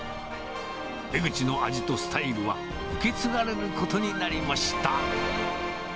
江ぐちの味とスタイルは、受け継がれることになりました。